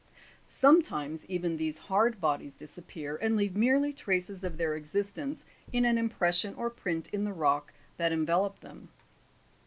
Sometimes even these hard bodies disappear, and leave merely traces of their existence in an impression or print in the rock that enveloped them.